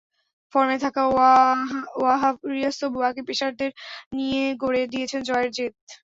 ফর্মে থাকা ওয়াহাব রিয়াজ তবু বাকি পেসারদের নিয়ে গড়ে দিয়েছেন জয়ের ভিত।